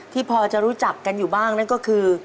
พอจะรู้จักกันอยู่บ้างนั่นก็คือ